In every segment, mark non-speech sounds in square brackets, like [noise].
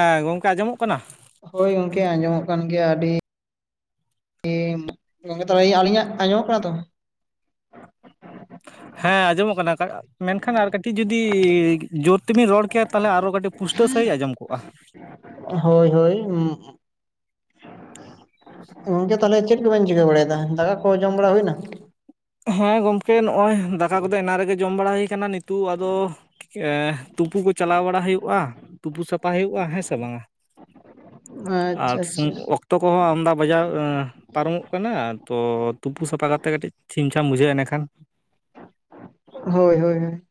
ᱦᱮᱸ ᱜᱚᱝᱠᱮ ᱟᱸᱡᱚᱢᱚᱜ ᱠᱟᱱᱟ? ᱦᱚᱭ ᱜᱚᱝᱠᱮ ᱟᱸᱡᱚᱢᱚᱜ ᱠᱟᱱ ᱜᱮᱭᱟ ᱟᱹᱰᱤ ᱜᱚᱝᱠᱮ ᱛᱟᱦᱞᱮ ᱟᱞᱤᱧᱟᱸᱜ ᱟᱸᱡᱚᱢᱚᱜ ᱠᱟᱱᱟ ᱛᱚ? ᱦᱮᱸ ᱟᱸᱡᱚᱢᱚᱜ ᱠᱟᱱᱟ ᱢᱮᱱᱠᱷᱟᱱ ᱟᱨ ᱠᱟᱹᱴᱤᱡ ᱡᱩᱫᱤ ᱡᱳᱨ ᱛᱮᱵᱤᱱ ᱨᱚᱲ ᱠᱮᱭᱟ ᱛᱟᱦᱚᱞᱮ ᱟᱨᱚ ᱠᱟᱹᱴᱤᱡ ᱯᱩᱥᱴᱟᱹ ᱥᱟᱺᱦᱤᱡ ᱟᱸᱡᱚᱢ ᱠᱚᱜ-ᱟ ᱾ ᱦᱚᱭ ᱦᱚᱭ ᱩᱢ ᱜᱚᱝᱠᱮ ᱛᱟᱦᱚᱞᱮ ᱪᱤᱫ ᱠᱚᱵᱮᱱ ᱪᱤᱠᱟᱹ ᱵᱟᱲᱟᱭᱮᱫᱟ ᱫᱟᱠᱟ ᱠᱚ ᱡᱚᱢ ᱵᱟᱲᱟ ᱦᱩᱭᱱᱟ ᱾ ᱦᱮᱸ ᱜᱚᱢᱠᱮ ᱱᱚᱜ-ᱚᱭ ᱫᱟᱠᱟ ᱠᱚᱫᱚ ᱮᱱᱟᱝ ᱨᱮᱜᱮ ᱡᱚᱢ ᱵᱟᱲᱟ ᱦᱩᱭ ᱠᱟᱱᱟ ᱾ ᱱᱤᱛᱩᱜ ᱟᱫᱚ ᱮ ᱛᱩᱯᱩ ᱠᱩ ᱪᱟᱞᱟᱣ ᱵᱟᱲᱟ ᱦᱩᱭᱩᱜ-ᱟ ᱾ ᱛᱩᱯᱩ ᱥᱟᱯᱟ ᱦᱩᱭᱩᱜ-ᱟ ᱦᱮᱸ ᱥᱮ ᱵᱟᱝᱟ ᱾ ᱟᱪᱪᱷᱟ ᱟᱪᱪᱷᱟ [unintelligible] ᱚᱠᱛᱚ ᱠᱚᱦᱚᱸ ᱟᱢᱫᱟ ᱵᱟᱡᱟᱣ ᱯᱟᱨᱚᱢᱚᱜ ᱠᱟᱱᱟ ᱛᱚ ᱛᱩᱯᱩ ᱥᱟᱯᱷᱟ ᱠᱟᱛᱮ ᱠᱟᱹᱴᱤᱡ ᱪᱷᱤᱢ-ᱪᱷᱟᱢ ᱵᱩᱡᱷᱟᱹᱜ-ᱟ ᱮᱱᱮᱠᱷᱟᱱ᱾ ᱦᱚᱭ ᱦᱚᱭ ᱦᱚᱭ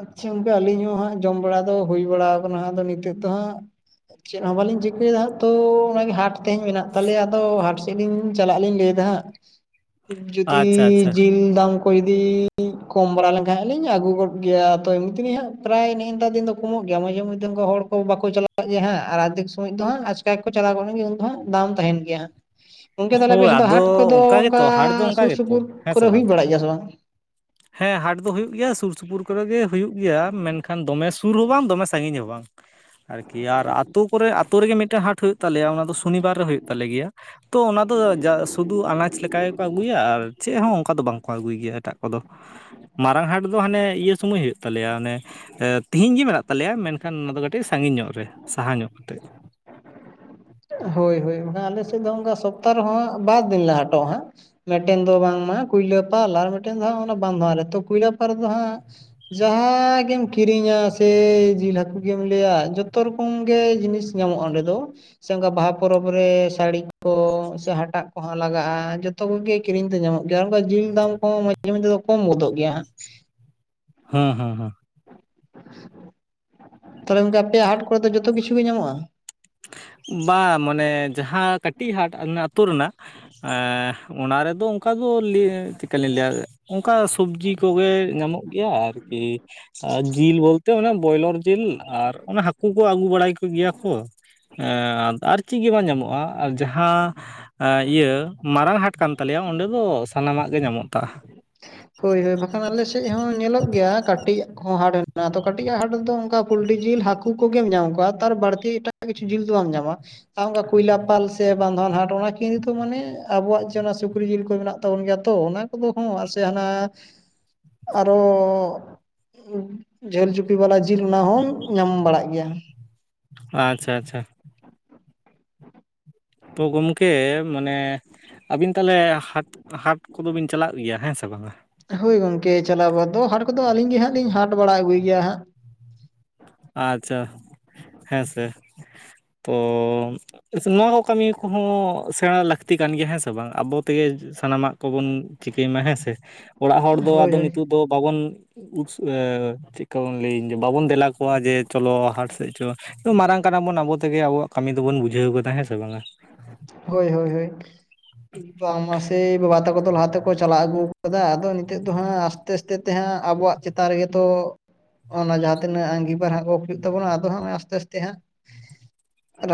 ᱟᱪᱪᱷᱟ ᱜᱚᱝᱠᱮ ᱟᱹᱞᱤᱧ ᱦᱚᱸ ᱦᱟᱸᱜ ᱡᱚᱢ ᱵᱟᱲᱟ ᱫᱚ ᱦᱩᱭ ᱵᱟᱲᱟᱣ ᱠᱟᱱᱟ ᱟᱫᱚ ᱱᱤᱛᱚᱜ ᱫᱚ ᱦᱟᱸᱜ ᱪᱮᱫ ᱦᱚᱸ ᱵᱟᱞᱤᱧ ᱪᱤᱠᱟᱹᱭᱮᱫᱟ ᱦᱟᱸᱜ ᱛᱚ ᱚᱱᱟᱜᱮ ᱦᱟᱴ ᱛᱮᱦᱮᱧ ᱢᱮᱱᱟᱜ ᱛᱟᱞᱮᱭᱟ ᱛᱚ ᱟᱫᱚ ᱦᱟᱴ ᱥᱮᱫ ᱞᱤᱧ ᱪᱟᱞᱟᱜ ᱞᱤᱧ ᱞᱟᱹᱭ ᱫᱟ ᱦᱟᱸᱜ ᱾ ᱡᱩᱫᱤ ᱟᱪᱪᱷᱟ ᱟᱪᱪᱷᱟ ᱡᱤᱞ ᱫᱟᱢ ᱠᱚ ᱡᱩᱫᱤ ᱠᱚᱢ ᱵᱟᱲᱟ ᱞᱮᱱᱠᱷᱟᱱ ᱦᱟᱸᱜ ᱞᱤᱧ ᱟᱹᱜᱩ ᱜᱚᱫ ᱜᱮᱭᱟ ᱛᱚ ᱮᱢᱱᱤ ᱛᱮᱜᱮ ᱤᱧᱟᱸᱜ ᱯᱨᱟᱭ ᱱᱮᱜ ᱱᱮᱛᱟᱨ ᱫᱤᱱ ᱫᱚ ᱠᱚᱢᱚᱜ ᱜᱮᱭᱟ ᱢᱟᱡᱷᱮ ᱢᱚᱫᱽᱫᱷᱮ ᱱᱚᱝᱠᱟ ᱦᱚᱲ ᱠᱚ ᱵᱟᱠᱚ ᱪᱟᱞᱟᱜ ᱮ ᱦᱟᱸᱜ ᱟᱨ ᱟᱫᱷᱤᱠ ᱥᱚᱢᱚᱭ ᱫᱚ ᱦᱟᱸᱜ ᱟᱪᱠᱟ ᱠᱚ ᱪᱟᱞᱟᱣᱜᱚᱫ ᱮᱱᱜᱮ ᱩᱱ ᱫᱚ ᱦᱟᱸᱜ ᱫᱟᱢ ᱛᱟᱦᱮᱱ ᱜᱮᱭᱟ ᱦᱟᱸᱜ ᱾ [inaudible] ᱦᱚᱭ ᱟᱫᱚ ᱚᱱᱠᱟ ᱜᱮᱛᱚ ᱦᱟᱴ ᱫᱚ ᱚᱱᱠᱟ ᱥᱩᱨ ᱜᱮᱛᱚ ᱥᱩᱯᱩᱨ ᱦᱮᱸ ᱥᱮ ᱠᱚᱨᱮ ᱦᱩᱭ ᱵᱟᱝ᱾ ᱵᱟᱲᱟᱜ ᱜᱮᱭᱟ ᱥᱮ ᱵᱟᱝ [inaudible] ᱦᱮᱸ ᱦᱟᱴ ᱫᱚ ᱦᱩᱭᱩᱜ ᱜᱮᱭᱟ ᱥᱩᱨ ᱥᱩᱯᱩᱨ ᱠᱚᱨᱮ ᱜᱮ ᱦᱩᱭᱩᱜ ᱜᱮᱭᱟ ᱢᱮᱱᱠᱷᱟᱱ ᱫᱚᱢᱮ ᱥᱩᱨ ᱦᱚᱸ ᱵᱟᱝ ᱫᱚᱢᱮ ᱥᱟᱺᱜᱤᱧ ᱦᱚᱸ ᱵᱟᱝ ᱾ ᱟᱨᱠᱤ ᱟᱨ ᱟᱹᱛᱩ ᱠᱚᱨᱮ ᱟᱛᱩ ᱨᱮᱜᱮ ᱢᱤᱫᱴᱮᱱ ᱦᱟᱴ ᱦᱩᱭᱩᱜ ᱛᱟᱞᱮᱭᱟ ᱚᱱᱟ ᱫᱚ ᱥᱚᱱᱤᱵᱟᱨ ᱨᱮ ᱦᱩᱭᱩᱜ ᱛᱟᱞᱮ ᱜᱮᱭᱟ ᱾ ᱛᱚ ᱚᱱᱟ ᱫᱚ ᱥᱩᱫᱩ ᱟᱱᱟᱡᱽ ᱞᱮᱠᱟ ᱜᱮᱠᱚ ᱟᱹᱜᱩᱭᱟ ᱟᱨ ᱪᱮᱫ ᱦᱚᱸ ᱚᱱᱠᱟ ᱫᱚ ᱵᱟᱝ ᱠᱚ ᱟᱹᱜᱩᱭ ᱜᱮᱭᱟ ᱮᱴᱟᱜ ᱠᱚᱫᱚ ᱾ ᱢᱟᱨᱟᱝ ᱦᱟᱴ ᱫᱚ ᱦᱟᱱᱮ ᱤᱭᱟᱹ ᱥᱚᱢᱚᱭ ᱦᱩᱭᱩᱜ ᱛᱟᱞᱮᱭᱟ ᱚᱱᱮᱼᱼ ᱛᱤᱦᱤᱧ ᱜᱤ ᱢᱮᱱᱟᱜ ᱛᱟᱞᱮᱭᱟ ᱢᱮᱱᱠᱷᱟᱱ ᱚᱱᱟ ᱫᱚ ᱠᱟᱹᱴᱤᱡ ᱥᱟᱸᱜᱤᱧ ᱧᱚᱜ ᱨᱮ ᱥᱟᱦᱟ ᱧᱚᱜ ᱠᱟᱛᱮᱜ᱾ ᱦᱳᱭ ᱦᱳᱭ ᱟᱞᱮ ᱥᱮᱫ ᱫᱚ ᱚᱱᱠᱟ ᱥᱚᱯᱛᱟᱦᱚ ᱨᱮ ᱦᱟᱸᱜ ᱵᱟᱨ ᱫᱤᱱ ᱞᱮ ᱦᱟᱴᱚᱜ-ᱟ ᱦᱟᱸᱜ᱾ ᱢᱮᱫᱴᱮᱱ ᱫᱚ ᱵᱟᱝ ᱢᱟ ᱠᱩᱭᱞᱟᱹᱯᱟᱞ ᱟᱨ ᱢᱤᱫᱴᱮᱱ ᱫᱚ ᱦᱟᱸᱜ ᱵᱟᱸᱫᱷᱣᱟᱱ ᱨᱮ ᱛᱚ ᱠᱩᱭᱞᱟᱹᱯᱟᱞ ᱨᱮ ᱫᱚ ᱦᱟᱸᱜᱼᱼ ᱡᱟᱦᱟᱸ ᱜᱮᱢ ᱠᱤᱨᱤᱧᱟ ᱥᱮ ᱡᱤᱞ ᱦᱟᱹᱠᱩ ᱜᱮᱢ ᱞᱟᱹᱭᱟ ᱡᱚᱛᱚ ᱨᱚᱠᱚᱢ ᱜᱮ ᱡᱤᱱᱤᱥᱼᱼ ᱧᱟᱢᱚᱜᱼᱟ ᱚᱸᱰᱮ ᱫᱚ᱾ ᱥᱮ ᱚᱝᱠᱟ ᱵᱟᱦᱟ ᱯᱚᱨᱚᱵᱽ ᱨᱮ ᱥᱟᱲᱤ ᱠᱚ ᱥᱮ ᱦᱟᱴᱟᱜ ᱠᱚᱸᱦᱚᱸ ᱞᱟᱜᱟᱜ-ᱟ ᱡᱚᱛᱚ ᱠᱚᱜᱮᱼᱼ ᱠᱤᱨᱤᱧ ᱛᱮ ᱧᱟᱢᱚᱜ ᱜᱮᱭᱟ ᱚᱱᱠᱟ ᱡᱤᱞ ᱫᱟᱢ ᱠᱚ ᱦᱚᱸ ᱢᱟᱡᱷᱮ ᱢᱟᱡᱷᱮ ᱫᱚ ᱠᱚᱢ ᱜᱚᱫᱚᱜ ᱜᱮᱭᱟ ᱦᱟᱸᱜ ᱾ ᱦᱟᱸ ᱦᱟᱸ ᱦᱟᱸ᱾ ᱛᱟᱦᱚᱞᱮ ᱜᱚᱝᱠᱮ ᱟᱯᱮᱭᱟᱜ ᱦᱟᱴ ᱠᱚᱨᱮ ᱫᱚ ᱡᱚᱛᱚ ᱠᱤᱪᱷᱩ ᱜᱮ ᱧᱟᱢᱚᱜ-ᱟ? ᱵᱟᱝ ᱢᱟᱱᱮ ᱡᱟᱦᱟᱸ ᱠᱟᱹᱴᱤᱡ ᱦᱟᱴ ᱟᱛᱩ ᱨᱮᱱᱟᱜᱼᱼ ᱮᱸᱻ ᱚᱱᱟ ᱨᱮᱫᱚ ᱚᱱᱠᱟ ᱫᱚ ᱞᱟᱹᱭ ᱪᱤᱠᱟ ᱞᱤᱧ ᱞᱟᱹᱭᱟ? ᱚᱱᱠᱟ ᱥᱚᱵᱽᱡᱤ ᱠᱚᱜᱮ ᱧᱟᱢᱚᱜ ᱜᱮᱭᱟ ᱟᱨᱠᱤ᱾ ᱟᱨ ᱡᱤᱞ ᱵᱚᱞᱛᱮ ᱚᱱᱮ ᱵᱚᱭᱞᱚᱨ ᱡᱤᱞ ᱟᱨ ᱚᱱᱟ ᱦᱟᱠᱩ ᱠᱚ ᱟᱹᱜᱩ ᱵᱟᱲᱟᱭ ᱠᱚᱜᱮᱭᱟ ᱠᱚ᱾ ᱮᱸ ᱟᱨ ᱪᱤᱜ ᱜᱮ ᱵᱟᱝ ᱧᱟᱢᱚᱜ-ᱟ ᱟᱨ ᱡᱟᱦᱟᱼᱼ ᱟ ᱤᱭᱟᱹ ᱢᱟᱨᱟᱝ ᱦᱟᱴ ᱠᱟᱱ ᱛᱟᱞᱮᱭᱟ ᱚᱸᱰᱮ ᱫᱚ ᱥᱟᱱᱟᱢᱟᱜ ᱜᱮ ᱧᱟᱢᱚᱜ ᱛᱟᱼᱼ ᱦᱳᱭ ᱦᱳᱭ ᱵᱟᱠᱷᱟᱱ ᱟᱞᱮ ᱥᱮᱡ ᱦᱚᱸ ᱧᱮᱞᱚᱜ ᱜᱮᱭᱟ ᱠᱟᱴᱤᱡ ᱟᱜ ᱦᱚᱸ ᱦᱟᱴ ᱢᱮᱱᱟᱜ-ᱟ ᱛᱚ ᱠᱟᱴᱤᱡ ᱟᱜ ᱦᱟᱴ ᱫᱚᱼᱼ ᱚᱱᱠᱟ ᱯᱩᱞᱴᱤ ᱡᱤᱞ ᱦᱟᱹᱠᱩ ᱠᱚ ᱜᱮᱢ ᱧᱟᱢ ᱠᱚᱣᱟ ᱛᱟᱨ ᱵᱟᱲᱛᱤ ᱮᱴᱟᱜ ᱠᱤᱪᱷᱩ ᱡᱤᱞ ᱫᱚ ᱵᱟᱢ ᱧᱟᱢᱟ᱾ ᱟᱨ ᱚᱱᱠᱟ ᱠᱩᱭᱞᱟᱹᱯᱟᱞ ᱥᱮ ᱵᱟᱱᱫᱷᱣᱟᱱ ᱦᱟᱴ ᱚᱱᱟ ᱠᱤᱱ ᱨᱮᱫᱚ ᱢᱟᱱᱮ ᱟᱵᱚᱣᱟᱜ ᱡᱮ ᱚᱱᱟ ᱥᱩᱠᱨᱤ ᱡᱤᱞ ᱠᱚ ᱢᱮᱱᱟᱜᱼᱼ ᱛᱟᱵᱚᱱ ᱜᱮᱭᱟ ᱛᱚ ᱚᱱᱟ ᱠᱚᱫᱚ ᱦᱚᱸ ᱟᱨ ᱥᱮ ᱦᱟᱱᱟ ᱟᱨᱚᱻ ᱡᱷᱟᱹᱞ ᱡᱩᱯᱤ ᱵᱟᱞᱟ ᱡᱤᱞ ᱚᱱᱟ ᱦᱚᱸ ᱧᱟᱢ ᱵᱟᱲᱟᱜ ᱜᱮᱭᱟ ᱾ ᱟᱪᱪᱷᱟ ᱟᱪᱪᱷᱟ᱾ ᱛᱚ ᱜᱚᱢᱠᱮ ᱢᱟᱱᱮ ᱼᱼ ᱟᱵᱤᱱ ᱛᱟᱦᱚᱞᱮ ᱦᱟᱴ ᱦᱟᱴ ᱠᱚᱫᱚ ᱵᱤᱱ ᱪᱟᱞᱟᱜ ᱜᱮᱭᱟ ᱦᱮᱸ ᱥᱮ ᱵᱟᱝᱟ? ᱦᱳᱭ ᱜᱚᱝᱠᱮ ᱪᱟᱞᱟᱣ ᱵᱟ ᱫᱚ ᱦᱟᱴ ᱠᱚᱫᱚ ᱟᱹᱞᱤᱧ ᱜᱮ ᱦᱟᱸᱜ ᱞᱤᱧ ᱦᱟᱴ ᱵᱟᱲᱟ ᱟᱹᱜᱩᱭ ᱜᱮᱭᱟ ᱦᱟᱸᱜ᱾ ᱟᱪᱪᱷᱟ ᱦᱮᱸ ᱥᱮ, ᱛᱚᱻ ᱱᱚᱶᱟ ᱠᱚ ᱠᱟᱢᱤ ᱠᱚᱦᱚᱸ ᱥᱮᱬᱟ ᱞᱟᱠᱛᱤ ᱠᱟᱱ ᱜᱮᱭᱟ ᱦᱮᱸ ᱥᱮ ᱵᱟᱝ ᱟᱵᱚ ᱛᱮᱜᱮ ᱼᱼ ᱥᱟᱱᱟᱢᱟᱜ ᱠᱚ ᱵᱚᱱ ᱪᱤᱠᱟᱹᱭ ᱢᱟ ᱦᱮᱸᱥᱮ᱾ ᱚᱲᱟᱜ ᱦᱚᱲ ᱦᱟᱸᱜ ᱫᱚ ᱦᱳᱭ ᱟᱫᱚ ᱦᱳᱭ ᱱᱤᱛᱩᱜ ᱫᱚ ᱵᱟᱵᱚᱱ ᱩᱫᱥ ᱮ ᱪᱮᱫ ᱠᱟ ᱵᱚᱱ ᱞᱟᱹᱭᱟᱹᱧ ᱡᱮ ᱵᱟᱵᱚᱱ ᱫᱮᱞᱟ ᱠᱚᱼᱼ ᱠᱚᱣᱟ ᱡᱮ ᱪᱚᱞᱚ ᱦᱟᱴ ᱥᱮᱜ ᱪᱚ ᱢᱟᱨᱟᱝ ᱠᱟᱱᱟ ᱵᱚᱱ ᱟᱵᱚ ᱛᱮᱜᱮ ᱟᱵᱚᱣᱟᱜ ᱠᱟᱢᱤ ᱫᱚᱵᱚᱱ ᱵᱩᱡᱷᱟᱹᱣ ᱜᱚᱫᱟ ᱦᱮᱸ ᱥᱮ ᱵᱟᱝᱟ᱾ ᱦᱳᱭ ᱦᱳᱭ ᱦᱳᱭ ᱵᱟ ᱢᱟᱥᱮ ᱵᱟᱵᱟ ᱛᱟᱠᱚ ᱫᱚ ᱞᱟᱦᱟ ᱛᱮᱼᱼ ᱠᱚ ᱪᱟᱞᱟᱣ ᱟᱜᱩ ᱠᱟᱫᱟ ᱟᱫᱚ ᱱᱤᱛᱚᱜ ᱫᱚ ᱦᱟᱸᱜ ᱟᱥᱛᱮ ᱟᱥᱛᱮ ᱛᱮ ᱦᱟᱸᱜ ᱟᱵᱚᱣᱟᱜ ᱪᱮᱛᱟᱱ ᱨᱮᱜᱮ ᱛᱚᱼᱼ ᱚᱱᱟ ᱡᱟᱦᱟᱸ ᱛᱤᱱᱟᱹᱜ ᱟᱺᱜᱤ‌ᱵᱷᱟᱨ ᱜᱚᱜ ᱠᱚ ᱦᱩᱭᱩᱜ ᱛᱟᱵᱚᱱᱟ ᱟᱫᱚ ᱦᱟᱸᱜ ᱟᱥᱛᱮ ᱟᱥᱛᱮ ᱦᱟᱸᱜ ᱼᱼ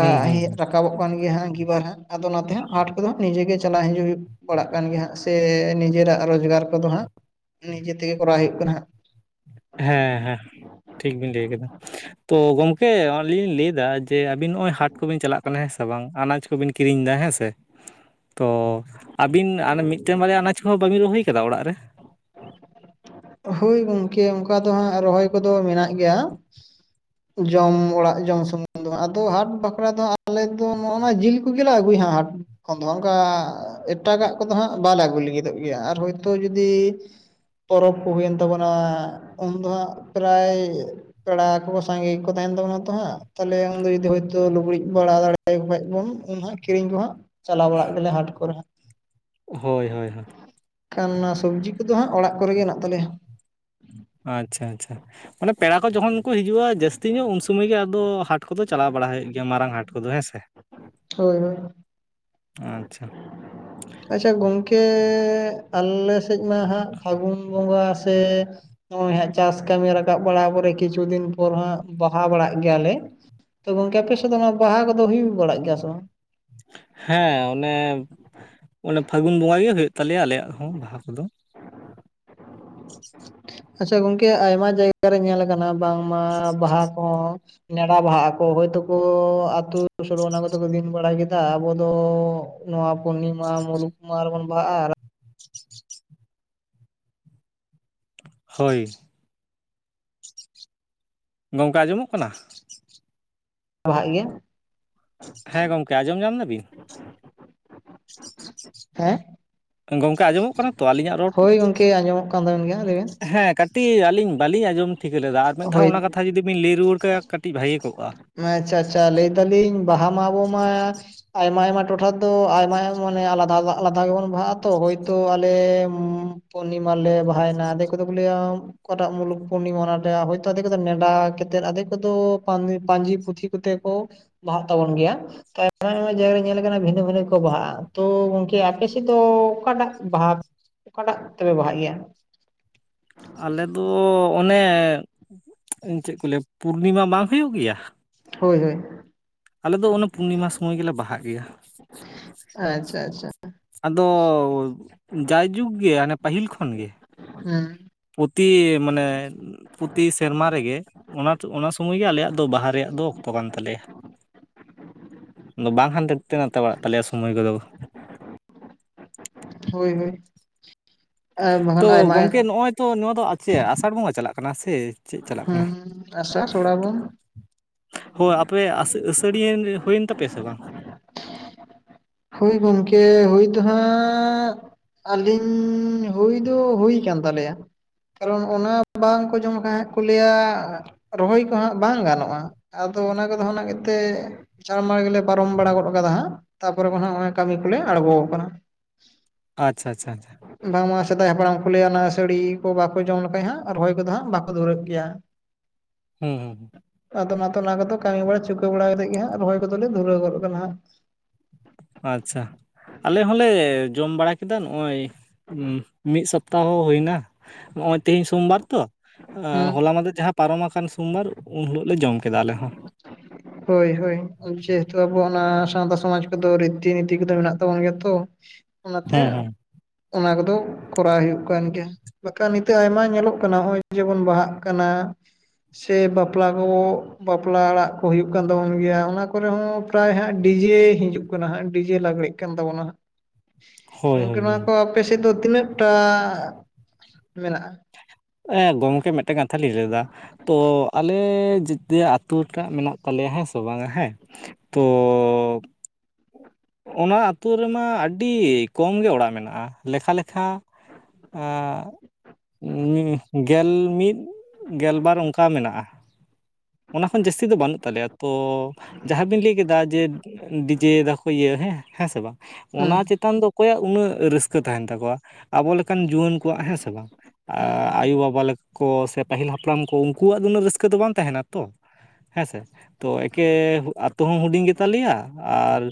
ᱦᱩᱸ ᱦᱩᱸ ᱦᱮ ᱦᱩᱸ ᱨᱟᱠᱟᱵᱚᱜ ᱠᱟᱱ ᱜᱮᱭᱟ ᱦᱟᱸᱜ ᱟᱹᱝᱜᱤᱵᱟᱨ ᱦᱟᱸᱜ ᱟᱫᱚ ᱚᱱᱟᱛᱮ ᱦᱟᱸᱜ ᱦᱟᱴ ᱠᱚᱫᱚ ᱱᱤᱡᱮ ᱜᱮ ᱪᱟᱞᱟᱜ ᱦᱤᱡᱩᱜ ᱦᱩᱭᱩᱜᱼᱼ ᱯᱟᱲᱟᱜ ᱠᱟᱱ ᱜᱮᱭᱟ ᱦᱟᱸᱜ ᱥᱮ ᱱᱤᱡᱮᱨᱟᱜ ᱨᱚᱡᱽᱜᱟᱨ ᱠᱚᱫᱚ ᱦᱟᱸᱜ ᱱᱤᱡᱮ ᱛᱮᱜᱮ ᱠᱚᱨᱟᱣ ᱦᱩᱭᱩᱜ ᱠᱟᱱᱟ ᱦᱟᱸᱜ᱾ ᱦᱮᱸ ᱦᱮᱸ ᱴᱷᱤᱠ ᱵᱤᱱ ᱞᱟᱹᱭ ᱠᱟᱫᱟ᱾ ᱛᱚ ᱜᱚᱢᱠᱮ ᱚᱱᱮ ᱞᱤᱧ ᱞᱟᱹᱭ ᱫᱟ ᱡᱮ ᱟᱹᱵᱤᱱ ᱱᱚᱜ-ᱚᱭ ᱦᱟᱴ ᱠᱩᱵᱤᱱ ᱪᱟᱞᱟᱜ ᱠᱟᱱᱟ ᱦᱮᱸᱥᱮ ᱵᱟᱝ ᱟᱱᱟᱡᱽᱼᱼ ᱠᱚ ᱵᱤᱱ ᱠᱤᱨᱤᱧ ᱫᱟ ᱦᱮᱸ ᱥᱮ᱾ ᱛᱚ ᱟᱵᱤᱱ ᱟᱱᱟ ᱢᱤᱫᱴᱮᱱ ᱵᱟᱨᱭᱟ ᱟᱱᱟᱡᱽ ᱠᱚᱦᱚᱸ ᱵᱟᱹᱵᱤᱱ ᱨᱚᱦᱚᱭ ᱠᱟᱫᱟ ᱚᱲᱟᱜ ᱨᱮ? ᱦᱳᱭ ᱜᱚᱝᱠᱮ ᱚᱱᱠᱟ ᱫᱚ ᱦᱟᱸᱜ ᱨᱚᱦᱚᱭ ᱠᱚᱫᱚ ᱢᱮᱱᱟᱜ ᱜᱮᱭᱟ᱾ ᱡᱚᱢ ᱚᱲᱟᱜ ᱡᱚᱢ ᱥᱩᱢᱩᱝ ᱫᱚ ᱦᱟᱸᱜ ᱟᱫᱚ ᱦᱟᱴ ᱵᱟᱠᱷᱨᱟ ᱫᱚ ᱟᱞᱮ ᱫᱚ ᱱᱚᱜ-ᱚ ᱱᱚᱣᱟ ᱡᱤᱞ ᱠᱚᱜᱮ ᱞᱮ ᱟᱹᱜᱩᱭᱟ ᱦᱟᱴ ᱼᱼ ᱠᱷᱚᱱ ᱫᱚ ᱦᱟᱸᱜ ᱚᱱᱠᱟ ᱮᱴᱟᱜᱟᱜ ᱠᱚᱫᱚ ᱦᱟᱸᱜ ᱵᱟᱞᱮ ᱟᱜᱩ ᱞᱟᱹᱜᱤᱫᱚᱜ ᱜᱮᱭᱟ ᱟᱨ ᱦᱚᱭᱛᱳ ᱡᱩᱫᱤᱼᱼ ᱯᱚᱨᱚᱵᱽ ᱠᱚ ᱦᱩᱭᱮᱱ ᱛᱟᱵᱚᱱᱟ ᱩᱱᱫᱚ ᱦᱟᱸᱜ ᱯᱨᱟᱭᱼᱼ ᱯᱮᱲᱟ ᱠᱚ ᱥᱟᱸᱜᱮ ᱜᱮ ᱠᱚ ᱛᱟᱦᱮᱱ ᱛᱟᱵᱚᱱᱟ ᱛᱚ ᱦᱟᱸᱜ ᱛᱟᱦᱮᱞᱮ ᱩᱱ ᱜᱷᱟᱹᱲᱤᱡ ᱫᱚ ᱡᱩᱫᱤ ᱦᱳᱭᱛᱳ ᱞᱩᱜᱽᱲᱤᱡ ᱵᱟᱲᱟ ᱫᱟᱲᱮᱼᱼ ᱟᱜᱩᱭ ᱠᱷᱟᱡ ᱵᱚᱱ ᱩᱱ ᱦᱟᱸᱜ ᱠᱤᱨᱤᱧ ᱫᱚ ᱦᱟᱸᱜᱼᱼ ᱪᱟᱞᱟᱣ ᱵᱟᱲᱟᱜ ᱜᱮᱞᱮ ᱦᱟᱴ ᱠᱚᱨᱮ ᱦᱟᱸᱜ, ᱦᱳᱭ ᱦᱳᱭ ᱠᱷᱟᱱ ᱱᱟᱼᱼ ᱥᱚᱵᱽᱡᱤ ᱠᱚᱫᱚ ᱦᱟᱸᱜ ᱚᱲᱟᱜ ᱠᱚᱨᱮ ᱜᱮ ᱦᱮᱱᱟᱜ ᱛᱟᱞᱮᱭᱟ᱾ ᱟᱪᱪᱷᱟ ᱟᱪᱪᱷᱟ ᱾ ᱢᱟᱱᱮ ᱯᱮᱲᱟ ᱠᱚ ᱡᱚᱠᱷᱚᱱ ᱠᱚ ᱦᱤᱡᱩᱜ-ᱟ ᱡᱟᱹᱥᱛᱤ ᱧᱚᱜ ᱩᱱ ᱥᱩᱢᱟᱹᱭ ᱜᱮ ᱟᱫᱚ ᱦᱟᱴ ᱠᱚᱫᱚ ᱪᱟᱞᱟᱣ ᱵᱟᱲᱟ ᱦᱩᱭᱩᱜ ᱜᱮᱭᱟ ᱢᱟᱨᱟᱝ ᱦᱟᱴ ᱠᱚᱫᱚ ᱦᱮᱸ ᱥᱮ᱾ [unintelligible] ᱼᱼ ᱦᱳᱭ ᱦᱳᱭ᱾ ᱟᱪᱪᱷᱟ᱾ ᱟᱪᱪᱷᱟ ᱜᱚᱝᱠᱮ ᱟᱞᱮ ᱥᱮᱫ ᱢᱟ ᱦᱟᱸᱜ ᱯᱷᱟᱹᱜᱩᱱ ᱵᱚᱸᱜᱟ ᱥᱮᱼᱼ ᱱᱚᱜᱼᱚᱭ ᱦᱟᱸᱜ ᱪᱟᱥ ᱠᱟᱹᱢᱤ ᱨᱟᱠᱟᱵ ᱵᱟᱲᱟ ᱯᱚᱨᱮ ᱠᱤᱪᱷᱩ ᱫᱤᱱ ᱯᱚᱨ ᱦᱟᱸᱜ ᱵᱟᱦᱟ ᱵᱟᱲᱟᱜ ᱜᱮᱭᱟᱞᱮᱼᱼ ᱛᱚ ᱜᱚᱝᱠᱮ ᱟᱯᱮ ᱥᱮᱫ ᱫᱚ ᱚᱱᱟ ᱵᱟᱦᱟ ᱠᱚᱫᱚ ᱦᱩᱭ ᱵᱟᱲᱟᱜ ᱜᱮᱭᱟ ᱥᱮ ᱵᱟᱝ? ᱦᱮᱸ [unintelligible] ᱚᱱᱮ ᱯᱷᱟᱹᱜᱩᱱ ᱵᱚᱸᱜᱟ ᱜᱮ ᱦᱩᱭᱩᱜ ᱛᱟᱞᱮᱭᱟ ᱟᱞᱮᱭᱟᱜ ᱦᱚᱸ ᱵᱟᱦᱟ ᱠᱚᱫᱚ᱾ [unintelligible] ᱼᱼ ᱟᱪᱪᱷᱟ ᱜᱚᱝᱠᱮ ᱟᱭᱢᱟ ᱡᱟᱭᱜᱟ ᱨᱮ ᱧᱮᱞ ᱟᱠᱟᱱᱟ ᱵᱟᱝᱢᱟ ᱵᱟᱦᱟ ᱠᱚᱦᱚᱸᱼᱼ ᱱᱮᱰᱟ ᱵᱟᱦᱟᱜ ᱟᱠᱚ ᱦᱚᱭᱛᱚᱠᱚ ᱟᱛᱳ ᱥᱳᱞᱚ ᱟᱱᱟ ᱠᱚᱛᱮ ᱠᱚ ᱫᱤᱱ ᱵᱟᱲᱟ ᱠᱮᱫᱟ ᱟᱵᱚ ᱫᱚᱼᱼ ᱱᱚᱣᱟ ᱯᱩᱨᱱᱤᱢᱟ ᱢᱩᱞᱩᱠ ᱢᱟᱦᱟᱸ ᱨᱮᱵᱚᱱ ᱵᱟᱦᱟᱜ-ᱟ, ᱟᱨᱼᱼ ᱦᱳᱭ᱾ ᱜᱚᱝᱠᱮ‌ ᱟᱸᱡᱚᱢᱚᱜ ᱠᱟᱱᱟ? ᱵᱟᱦᱟᱜ ᱜᱮᱭᱟᱼᱼ ᱦᱮᱸ ᱜᱚᱢᱠᱮ ᱟᱸᱡᱚᱢ ᱧᱟᱢ ᱮᱫᱟ ᱵᱤᱱ? [unintelligible] ᱦᱮᱸᱼᱼ ᱜᱚᱝᱠᱮ ᱟᱸᱡᱚᱢᱚᱜ ᱠᱟᱱᱟ ᱛᱚ ᱟᱞᱤᱧᱟᱜ ᱨᱚᱲ ᱠᱚ? ᱦᱳᱭ ᱜᱚᱝᱠᱮ ᱟᱸᱡᱚᱢᱚᱜ ᱠᱟᱱ ᱛᱟᱵᱮᱱ ᱜᱮᱭᱟ ᱞᱟᱹᱭ ᱵᱮᱱ [unintelligible] ᱦᱮᱸᱼᱼ ᱠᱟᱹᱴᱤᱡ ᱟᱹᱞᱤᱧ ᱵᱟᱹᱞᱤᱧ ᱟᱸᱡᱚᱢ ᱴᱷᱤᱠᱟᱹ ᱞᱮᱫᱟ ᱟᱨ ᱢᱤᱫ ᱫᱷᱟᱣ ᱦᱳᱭ ᱚᱱᱟ ᱠᱟᱛᱷᱟ ᱡᱩᱫᱤᱵᱤᱱ ᱞᱟᱹᱭ ᱨᱩᱣᱟᱹᱲ ᱠᱟᱭᱟ ᱠᱟᱹᱴᱤᱡ ᱵᱷᱟᱹᱜᱮ ᱠᱚᱜᱼᱟ᱾ ᱟᱪᱪᱷᱟ ᱟᱪᱪᱷᱟ ᱞᱟᱹᱭ ᱮᱫᱟ ᱞᱤᱧ ᱵᱟᱦᱟ ᱢᱟ ᱟᱵᱚ ᱢᱟᱼᱼ ᱟᱭᱢᱟ ᱟᱭᱢᱟ ᱴᱚᱴᱷᱟ ᱫᱚ ᱟᱭᱢᱟ ᱢᱟᱱᱮ ᱟᱞᱟᱫᱟ ᱟᱞᱟᱫᱟ ᱜᱮᱵᱚᱱ ᱵᱟᱦᱟᱜᱼᱟ ᱛᱚ ᱦᱚᱭᱛᱳ ᱟᱞᱮᱼᱼ ᱯᱩᱱᱩᱨᱱᱤᱢᱟ ᱨᱮᱞᱮ ᱵᱟᱦᱟᱭᱱᱟ ᱟᱫᱷᱮᱠ ᱠᱚᱫᱚ ᱠᱚ ᱞᱟᱹᱭᱟ ᱚᱠᱟᱴᱟᱜ ᱢᱩᱞᱩᱠ ᱯᱩᱨᱱᱤᱢᱟ ᱚᱱᱟᱴᱟᱜ ᱦᱚᱭᱛᱚ ᱟᱫᱷᱮᱠ ᱠᱚ ᱫᱚ ᱱᱮᱰᱟ [unintelligible] ᱼᱼ ᱟᱫᱷᱮᱠ ᱠᱚᱫᱚ ᱯᱟᱹᱧᱡᱤ ᱯᱩᱛᱷᱤ ᱠᱚᱛᱮ ᱠᱚ ᱵᱟᱦᱟᱜ ᱛᱟᱵᱚᱱ ᱜᱮᱭᱟ᱾ ᱟᱭᱢᱟ ᱟᱭᱢᱟ ᱡᱟᱭᱜᱟᱨᱮ ᱧᱮᱞ ᱠᱟᱱᱟ ᱵᱷᱤᱱᱟᱹ ᱵᱷᱤᱱᱟᱹ ᱠᱚ ᱵᱟᱦᱟᱜᱼᱟ᱾ ᱛᱚ ᱜᱚᱝᱠᱮ ᱟᱯᱮᱥᱮᱫ ᱫᱚ ᱚᱠᱟᱴᱟᱜ ᱵᱟᱦᱟᱼᱼ ᱚᱠᱟᱴᱟᱜ ᱛᱮᱯᱮ ᱵᱟᱦᱟᱜ ᱜᱮᱭᱟ? ᱟᱞᱮᱫᱚ ᱚᱱᱮ ᱪᱮᱫ ᱠᱚ ᱞᱟᱹᱭᱟ ᱯᱩᱨᱱᱤᱢᱟ ᱵᱟᱝ ᱦᱩᱭᱩᱜ ᱜᱮᱭᱟᱼᱼ ᱦᱳᱭ ᱦᱳᱭ᱾ ᱟᱞᱮ ᱫᱚ ᱚᱱᱟ ᱯᱩᱨᱱᱤᱢᱟ ᱥᱚᱢᱚᱭ ᱜᱮᱞᱮ ᱵᱟᱦᱟᱜ ᱜᱮᱭᱟ᱾ ᱟᱪᱪᱷᱟ ᱟᱪᱪᱷᱟ᱾ ᱟᱫᱚ ᱡᱟᱭᱡᱩᱜᱽ ᱜᱮ ᱚᱱᱮ ᱯᱟᱹᱦᱤᱞ ᱠᱷᱚᱱ ᱜᱮ᱾ ᱦᱮᱸ᱾ ᱯᱨᱚᱛᱤ ᱢᱟᱱᱮᱼᱼ ᱯᱨᱚᱛᱤ ᱥᱮᱨᱢᱟ ᱨᱮᱜᱮ ᱚᱱᱟ [unintelligible] ᱥᱚᱢᱚᱭ ᱜᱮ ᱟᱞᱮᱭᱟᱜ ᱫᱚ ᱵᱟᱦᱟ ᱨᱮᱭᱟᱜ ᱫᱚ ᱚᱠᱛᱚ ᱠᱟᱱ ᱛᱟᱞᱮᱭᱟ᱾ ᱟᱫᱚ ᱵᱟᱝ ᱦᱟᱱᱛᱮ ᱱᱟᱛᱮ ᱵᱟᱲᱟᱜ ᱛᱟᱞᱮᱭᱟ ᱥᱚᱢᱚᱭ ᱠᱚᱫᱚ᱾ ᱦᱳᱭ ᱦᱳᱭ᱾ ᱟᱨ ᱛᱚ ᱵᱟᱠᱷᱟᱱ ᱟᱭᱢᱟ ᱜᱚᱢᱠᱮ ᱱᱚᱜᱼᱚᱭ ᱛᱚ ᱱᱚᱣᱟ ᱫᱚ ᱪᱮᱫ ᱟᱥᱟᱲ ᱵᱚᱸᱜᱟ ᱪᱟᱞᱟᱜ ᱠᱟᱱᱟ ᱥᱮᱼᱼ ᱦᱩᱸ ᱟᱥᱟᱲ ᱥᱨᱟᱵᱚᱱᱼᱼ ᱦᱳᱭ ᱟᱯᱮ ᱟᱹᱥᱟᱹᱲᱤᱭᱟᱹ ᱦᱩᱭᱮᱱ ᱛᱟᱯᱮᱭᱟ ᱥᱮ ᱵᱟᱝ? ᱦᱳᱭ ᱜᱚᱢᱠᱮ ᱦᱳᱭ ᱫᱚ ᱦᱟᱸᱜᱼᱼ ᱟᱹᱞᱤᱧ ᱦᱩᱭ ᱫᱚ ᱦᱩᱭ ᱠᱟᱱᱟᱱ ᱛᱟᱞᱮᱭᱟ᱾ ᱠᱟᱨᱚᱱ ᱚᱱᱟ ᱵᱟᱝᱠᱚ ᱡᱚᱢ ᱞᱮᱠᱷᱟᱱ ᱦᱟᱸᱜ ᱠᱚ ᱞᱟᱹᱭᱟᱼᱼ ᱨᱚᱦᱚᱭ ᱠᱚᱦᱟᱸᱜ ᱵᱟᱝ ᱜᱟᱱᱚᱜᱼᱟ ᱟᱫᱚ ᱚᱱᱟ ᱠᱚᱫᱚ ᱚᱱᱟ [unintelligible] ᱼᱼ ᱪᱟᱲ ᱢᱟᱲ ᱜᱮᱞᱮ ᱯᱟᱨᱚᱢ ᱵᱟᱲᱟ ᱜᱚᱫ ᱟᱠᱟᱫᱟ ᱦᱟᱸᱜᱼᱼ ᱠᱚᱨᱮ ᱠᱷᱚᱱ ᱦᱟᱜ ᱠᱟᱹᱢᱤ ᱠᱚᱞᱮ ᱟᱬᱜᱚ ᱠᱟᱱᱟ᱾ ᱟᱪᱪᱷᱟ ᱟᱪᱷᱟ ᱟᱪᱪᱷᱟ᱾ ᱵᱟᱝᱢᱟ ᱥᱮᱫᱟᱭ ᱦᱟᱯᱲᱟᱢ ᱠᱚ ᱞᱟᱹᱭᱟ ᱚᱱᱟ ᱟᱹᱥᱟᱹᱲᱤ ᱠᱚ ᱵᱟᱠᱚ ᱡᱚᱢ ᱞᱮᱠᱷᱟᱡ ᱦᱟᱜ ᱨᱚᱦᱚᱭ ᱠᱚᱫᱚ ᱦᱟᱸᱜ ᱵᱟᱠᱚ ᱫᱷᱩᱨᱟᱹᱜ ᱜᱮᱭᱟ᱾ ᱦᱩᱸ ᱦᱩᱸ ᱦᱩᱸ᱾ ᱟᱫᱚ ᱚᱱᱟᱛᱮ ᱚᱱᱟ ᱠᱚᱫᱚ ᱠᱟᱹᱢᱤ ᱵᱟᱲᱟ ᱪᱩᱠᱟᱹᱣ ᱵᱟᱲᱟ ᱠᱟᱛᱮᱜ ᱜᱮ ᱦᱟᱸᱜ ᱨᱚᱦᱚᱭ ᱠᱚᱫᱚᱞᱮ ᱫᱷᱩᱨᱟᱹᱣ ᱜᱚᱫ ᱟᱠᱟᱱᱟ ᱦᱟᱸᱜ᱾ ᱟᱪᱪᱷᱟ ᱟᱞᱮ ᱦᱚᱸᱞᱮ ᱡᱚᱢ ᱵᱟᱲᱟ ᱠᱮᱫᱟ ᱱᱚᱜᱚᱭ ᱢᱤᱫ ᱥᱚᱯᱛᱟ ᱥᱚᱯᱛᱟᱦᱚ ᱦᱚᱸ ᱦᱩᱭᱱᱟ ᱱᱚᱜ ᱚᱭ ᱛᱤᱦᱤᱧ ᱥᱚᱢᱵᱟᱨ ᱛᱚ ᱦᱩᱸ ᱦᱚᱞᱟ ᱢᱟᱱᱫᱷᱮᱨ ᱡᱟᱦᱟᱸᱼᱼ ᱯᱟᱨᱚᱢ ᱟᱠᱟᱱ ᱥᱳᱢᱵᱟᱨ ᱩᱱ ᱦᱤᱞᱳᱜ ᱞᱮ ᱡᱚᱢ ᱠᱮᱫᱟ ᱟᱞᱮ ᱦᱚᱸᱼᱼ ᱦᱳᱭ ᱦᱳᱭ ᱡᱮᱦᱮᱛᱩ ᱟᱵᱚ ᱚᱱᱟ ᱥᱟᱶᱛᱟ ᱥᱚᱢᱟᱡᱽ ᱠᱚᱫᱚ ᱨᱤᱛᱤ ᱱᱤᱛᱤ ᱠᱚᱫᱚ ᱢᱮᱱᱟᱜ ᱛᱟᱵᱚᱱ ᱜᱮᱭᱟ ᱛᱚ᱾ ᱚᱱᱟᱛᱮ ᱦᱩᱸ ᱦᱩᱸ ᱚᱱᱟ ᱠᱚᱫᱚ ᱠᱚᱨᱟᱣ ᱦᱩᱭᱩᱜ ᱠᱟᱱ ᱜᱮᱭᱟ᱾ ᱵᱟᱠᱷᱟᱱ ᱱᱤᱛᱚᱜ ᱟᱭᱢᱟ ᱧᱮᱞᱚᱜ ᱠᱟᱱᱟ ᱱᱚᱜ-ᱚᱭ ᱡᱮᱢᱚᱱ ᱵᱟᱦᱟᱜ ᱠᱟᱱᱟ᱾ ᱥᱮ ᱵᱟᱯᱞᱟ ᱠᱚ ᱵᱟᱯᱞᱟ ᱚᱲᱟᱜ᱾ ᱦᱩᱭᱩᱜ ᱠᱟᱱ ᱛᱟᱵᱚᱱ ᱜᱮᱭᱟ ᱚᱱᱟ ᱠᱚᱨᱮ ᱦᱚᱸᱚᱸ ᱯᱨᱟᱭ ᱦᱟᱸᱜ ᱰᱤᱡᱮ ᱦᱤᱡᱩᱜ ᱠᱟᱱᱟ ᱦᱟᱸᱜ ᱰᱤᱡᱮ ᱞᱟᱜᱽᱲᱮᱜ ᱠᱟᱱ ᱛᱟᱵᱚᱱᱟ ᱦᱟᱸᱜ᱾ [unintelligible] ᱦᱳᱭ ᱜᱚᱝᱠᱮ ᱦᱳᱭ ᱱᱚᱣᱟ ᱠᱚ ᱟᱯᱮ ᱥᱮᱫ ᱫᱚ ᱛᱤᱱᱟᱹᱜ ᱴᱟ ᱢᱮᱱᱟᱜ-ᱟ? ᱦᱮᱸ ᱜᱚᱢᱠᱮ ᱢᱤᱫᱴᱮ ᱠᱟᱛᱷᱟ ᱞᱤᱧ ᱞᱟᱹᱭᱫᱟ᱾ ᱛᱚ ᱟᱞᱮ ᱡᱮᱛᱮᱭᱟ ᱟᱹᱛᱳᱴᱟᱜ ᱢᱮᱱᱟᱜ ᱛᱟᱞᱮᱭᱟ ᱦᱮᱸ ᱥᱮ ᱵᱟᱝᱟ ᱦᱮᱸ᱾ ᱛᱚᱻ ᱚᱱᱟ ᱟᱹᱛᱩ ᱨᱮᱢᱟ ᱟᱹᱰᱤ ᱠᱚᱢ ᱜᱮ ᱚᱲᱟᱜ ᱢᱮᱱᱟᱜ-ᱟ ᱞᱮᱠᱷᱟ ᱞᱮᱠᱷᱟ ᱜᱮᱞ ᱢᱤᱫ ᱜᱮᱞᱵᱟᱨ ᱚᱱᱠᱟ ᱢᱮᱱᱟᱜ-ᱟ᱾ ᱚᱱᱟ ᱠᱷᱚᱱ ᱡᱟᱹᱥᱛᱤ ᱫᱚ ᱵᱟᱹᱱᱩᱜ ᱛᱟᱞᱮᱭᱟ ᱛᱚ ᱡᱟᱦᱟᱸ ᱵ᱾ᱤᱱ ᱞᱟᱹᱭ ᱠᱮᱫᱟ ᱡᱮ᱾ ᱰᱤᱡᱮ ᱫᱟᱠᱚ ᱤᱭᱟᱹ ᱦᱮᱸ ᱦᱮᱸ ᱥᱮ ᱵᱟᱝ ᱚᱱᱟ ᱦᱩᱸ ᱪᱮᱛᱟᱱ ᱫᱚ᱾ ᱚᱠᱚᱭᱟᱜ ᱩᱱᱟᱹᱜ ᱨᱟᱹᱥᱠᱟᱹ ᱛᱟᱦᱮᱱ ᱛᱟᱠᱚᱣᱟ᱾ ᱟᱵᱚ ᱞᱮᱠᱟᱱ ᱡᱩᱣᱟᱹᱱ ᱠᱚᱣᱟᱜ ᱦᱮᱸ ᱥᱮ ᱵᱟᱝ ᱦᱩᱸ ᱟᱭᱳ ᱵᱟᱵᱟ ᱞᱮᱠᱟ᱾ ᱠᱚ ᱥᱮ ᱯᱟᱹᱦᱤᱞ ᱦᱟᱯᱲᱟᱢ ᱠᱚ ᱩᱱᱠᱩᱣᱟᱜ ᱫᱚ ᱩᱱᱟᱹᱜ ᱨᱟᱹᱥᱠᱟᱹ ᱫᱚ ᱵᱟᱝ ᱛᱟᱦᱮᱱᱟᱚ᱾ ᱛᱚ ᱦᱮᱸᱥᱮ ᱛᱚ ᱮᱠᱮ ᱟᱛᱳ ᱦᱚᱸ ᱦᱩᱰᱤᱧ ᱜᱮᱛ ᱞᱮᱭᱟ ᱟᱨ᱾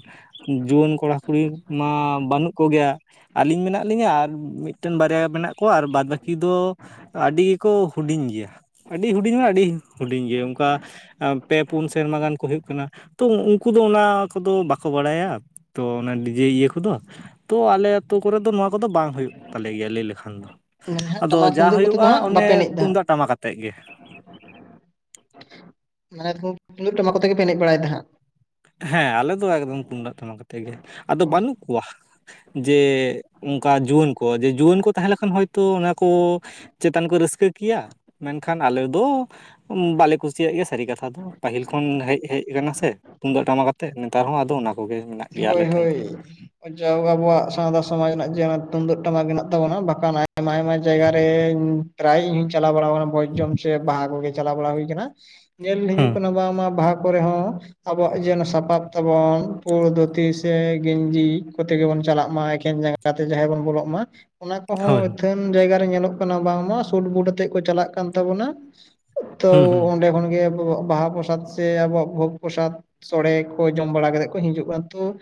ᱡᱩᱣᱟᱹᱱ ᱠᱚᱲᱟ-ᱠᱩᱲᱤ ᱢᱟ ᱵᱟᱹᱱᱩᱜ ᱠᱚᱜᱮᱭᱟ᱾ ᱟᱹᱞᱤᱧ ᱢᱮᱱᱟᱜ ᱞᱤᱧᱟᱹ ᱟᱨ ᱢᱤᱫᱴᱮᱱ ᱵᱟᱨᱭᱟ ᱢᱮᱱᱟᱜ ᱠᱚᱣᱟ ᱟᱨ ᱵᱟᱫᱽ ᱵᱟᱹᱠᱤ ᱫᱚ᱾ ᱟᱹᱰᱤ ᱠᱚ ᱦᱩᱰᱤᱧ ᱜᱮᱭᱟ ᱟᱹᱰᱤ ᱦᱩᱰᱤᱧ ᱢᱟᱱᱮ ᱟᱹᱰᱤ ᱦᱩᱰᱤᱧ ᱜᱮᱭᱟ᱾ ᱚᱠᱟ ᱯᱮ ᱯᱩᱱ ᱥᱮᱨᱢᱟ ᱜᱟᱱ ᱠᱚ ᱦᱩᱭᱩᱜ ᱠᱟᱱᱟ᱾ ᱛᱚ ᱩᱱᱠᱩ ᱫᱚ ᱚᱱᱟ ᱠᱚᱫᱚ ᱵᱟᱠᱚ ᱵᱟᱲᱟᱭᱟ ᱛᱚ ᱚᱱᱟ ᱰᱤᱡᱮ ᱤᱭᱟᱹ ᱠᱚᱫᱚ᱾ ᱛᱚ ᱟᱞᱮ ᱟ ᱟᱹᱛᱩ ᱠᱚᱨᱮ ᱫᱚ ᱱᱚᱣᱟ ᱠᱚᱫᱚ ᱵᱟᱝ ᱦᱩᱭᱩᱜ ᱛᱟᱞᱮ ᱜᱮᱭᱟ ᱞᱟᱹᱭ ᱞᱮᱠᱷᱟᱱ ᱫᱚ᱾ ᱢᱟᱱᱮ ᱦᱟᱸᱜ ᱟᱫᱚ ᱴᱟᱢᱟᱠ ᱡᱟ ᱛᱩᱢᱫᱟᱹᱜ ᱠᱚᱛᱮ ᱫᱚ ᱦᱩᱭᱩᱜ-ᱟ ᱦᱟᱸᱜ ᱵᱟᱯᱮ ᱚᱱᱮ ᱮᱱᱮᱡ ᱫᱟ ᱛᱩᱢᱫᱟᱜ ᱦᱟᱸᱜ ᱴᱟᱢᱟᱠ ᱟᱛᱮᱫ ᱜᱮ᱾ ᱢᱟᱱᱮ ᱛᱩᱢᱫᱟ ᱴᱟᱢᱟᱠ ᱠᱚ ᱛᱮᱜᱮ ᱮᱱᱮᱡ ᱵᱟᱲᱮᱫ ᱛᱟᱦᱮᱸᱜ-ᱟ᱾ ᱦᱮᱸ ᱟᱞᱮ ᱫᱚ ᱮᱠᱫᱚᱢ ᱛᱩᱢᱫᱟᱜ ᱴᱟᱢᱟᱠ ᱟᱛᱮᱫ ᱜᱮ ᱟᱫᱚ ᱵᱟᱹᱱᱩᱜ ᱠᱚᱣᱟ᱾ ᱡᱮ ᱚᱱᱠᱟ ᱡᱩᱣᱟᱹᱱ ᱠᱚ ᱡᱮ ᱡᱩᱣᱟᱹᱱ ᱠᱚ ᱛᱟᱦᱮᱸ ᱞᱮᱠᱷᱟᱱ ᱦᱚᱭᱛᱳ ᱚᱱᱟ ᱠᱚ ᱪᱮᱛᱟᱱ ᱠᱚ ᱨᱟᱹᱥᱠᱟᱹ ᱠᱮᱭᱟ ᱢᱮᱱᱠᱷᱟᱱ ᱟᱞᱮ ᱫᱚ ᱵᱟᱞᱮ ᱠᱩᱥᱤ ᱪᱤᱭᱟᱜ ᱜᱮ ᱥᱟᱹᱨᱤ ᱠᱟᱛᱷᱟ ᱫᱚ ᱯᱟᱹᱦᱤᱞ ᱠᱷᱚᱱ ᱦᱮᱡ ᱦᱮᱡ ᱟᱠᱟᱱᱟ ᱥᱮ ᱛᱩᱢᱫᱟᱹᱜ ᱴᱟᱢᱟᱠ ᱟᱛᱮ ᱱᱮᱛᱟᱨ ᱦᱚᱸ ᱟᱫᱚ ᱚᱱᱟ ᱾ ᱠᱚᱜᱮ ᱢᱮᱱᱟᱜ ᱜᱮᱭᱟ ᱦᱳᱭ ᱟᱞᱮ ᱴᱷᱮᱱ ᱫᱚ᱾ ᱦᱳᱭ ᱡᱟᱣ ᱟᱵᱚᱣᱟᱜ ᱥᱟᱶᱛᱟ ᱥᱚᱢᱟᱡᱽ ᱨᱮᱱᱟᱜ ᱡᱮ ᱛᱩᱢᱫᱟ ᱴᱟᱢᱟᱠ ᱢᱮᱱᱟᱜ ᱛᱟᱵᱚᱱᱟ ᱵᱟᱠᱟ ᱟᱭᱢᱟ ᱟᱭᱢᱟ ᱡᱟᱭᱜᱟ ᱨᱮ ᱯᱨᱟᱭ ᱤᱧ ᱦᱚᱧ ᱪᱟᱞᱟᱣ ᱵᱟᱲᱟ ᱟᱠᱟᱱᱟ ᱵᱷᱡᱽᱡᱚᱢ ᱥᱮ ᱵᱟᱦᱟ ᱠᱚᱜᱮ᱾ ᱪᱟᱞᱟᱣ ᱵᱟᱲᱟ ᱦᱩᱭ ᱟᱠᱟᱱᱟ ᱧᱮᱞ ᱦᱩᱸ ᱦᱤᱡᱩᱜ ᱠᱟᱱᱟ᱾ ᱵᱟᱝᱢᱟ ᱵᱟᱦᱟ ᱠᱚᱨᱮ ᱦᱚᱸ ᱟᱵᱚᱣᱟᱜ ᱡᱮᱱᱚ ᱥᱟᱯᱟᱵ ᱛᱟᱵᱚᱱ᱾ ᱩᱲᱫᱚ ᱜᱮᱧᱡᱤ ᱠᱚᱛᱮ ᱜᱮᱵᱚᱱ ᱪᱟᱞᱟᱜ ᱢᱟ ᱮᱠᱮᱱ ᱡᱟᱸᱜᱟ ᱛᱮ ᱡᱟᱦᱮᱨ ᱵᱚᱱ ᱵᱚᱞᱚᱜ ᱢᱟ᱾ ᱚᱱᱟ ᱠᱚᱦᱚᱸ ᱦᱳᱭ ᱟᱹᱛᱷᱟᱹᱱ ᱡᱟᱭᱜᱟᱨᱮ ᱧᱮᱞᱚᱜ ᱠᱟᱱᱟ ᱵᱟᱝᱢᱟ ᱥᱩᱴ ᱵᱩᱴ ᱟᱛᱮᱜ ᱠᱚ ᱪᱟᱞᱟᱜ ᱠᱟᱱ ᱛᱟᱵᱚᱱᱟ᱾ ᱛᱚ ᱦᱩᱸ ᱦᱩᱸ ᱚᱸᱰᱮ ᱠᱷᱚᱱᱜᱮ᱾ ᱵᱟᱦᱟ ᱯᱨᱚᱥᱟᱫ ᱥᱮ ᱟᱵᱚᱣᱟᱜ ᱵᱷᱳᱜᱽ ᱯᱨᱚᱥᱟᱫᱽ ᱥᱳᱲᱮ ᱠᱚ ᱡᱚᱢ ᱵᱟᱲᱟ ᱠᱟᱛᱮ ᱠᱚ ᱦᱤᱡᱩᱜ-ᱟ ᱛᱚ᱾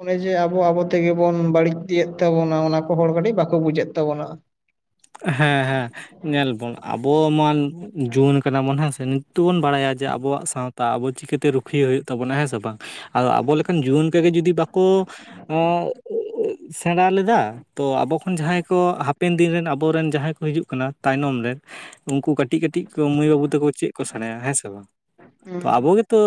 ᱚᱱᱮ ᱡᱮ ᱟᱵᱚ ᱟᱵᱚ ᱛᱮᱜᱮ ᱵᱚᱱ ᱵᱟᱹᱲᱤᱡ ᱤᱫᱤᱭᱮᱫ ᱛᱟᱵᱚᱱᱟ ᱚᱱᱟ ᱠᱚ ᱦᱚᱲ ᱠᱟᱹᱴᱤᱡ ᱵᱟᱠᱚ ᱵᱩᱡᱮ ᱛᱟᱵᱚᱱᱟ᱾ ᱦᱮᱸ ᱦᱮᱸ ᱧᱮᱞ ᱵᱚᱱ ᱟᱵᱚ ᱢᱟᱱ᱾ ᱡᱩᱣᱟᱹᱱ ᱟᱠᱟᱱᱟᱵᱚᱱ ᱦᱮᱸᱥᱮ ᱱᱤᱛᱚᱜᱵᱚᱱ ᱵᱟᱲᱟᱭᱟ ᱡᱮ ᱟᱵᱚᱣᱟᱜ ᱥᱟᱶᱛᱟ ᱟᱵᱚ ᱪᱤᱠᱟᱹᱛᱮ ᱨᱩᱠᱷᱤᱭᱟᱹᱟᱹ ᱦᱩᱭᱩᱜ ᱛᱟᱵᱚᱱᱟ ᱦᱮᱸ ᱥᱮ ᱵᱟᱝ᱾ ᱟᱫᱚ ᱟᱵᱚ ᱞᱮᱠᱟᱱ ᱡᱩᱣᱟᱹᱱ ᱠᱚᱜᱮ ᱡᱩᱫᱤ ᱵᱟᱠᱚ ᱥᱮᱬᱟ ᱞᱮᱫᱟ ᱛᱚ ᱟᱵᱚ ᱠᱷᱚᱱ ᱡᱟᱦᱟᱸᱭ ᱠᱚ ᱦᱟᱯᱮᱱ ᱫᱤᱱ ᱨᱮᱱ ᱟᱵᱚ᱾ ᱟᱵᱚᱨᱮᱱ ᱡᱟᱦᱟᱸᱭ ᱠᱚ ᱦᱤᱡᱩᱜ ᱠᱟᱱᱟ ᱛᱟᱭᱱᱚᱢ ᱨᱮ᱾ ᱩᱱᱠᱩ ᱠᱟᱹᱴᱤᱡ ᱠᱟᱹᱴᱤᱡ ᱢᱟᱹᱭ ᱵᱟᱹᱵᱩ ᱛᱮᱠᱚ ᱪᱮᱫ ᱠᱚ ᱥᱮᱬᱟᱭᱟ ᱦᱮᱸ ᱥᱮ ᱵᱟᱝ᱾ ᱛᱚ ᱟᱵᱚ ᱜᱮᱛᱚ